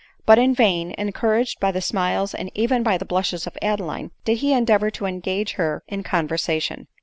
But in vain, encouraged by the smiles and even by the blushes of AdeKne, did he endeavor to engage her in con versation.